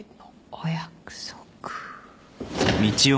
お約束。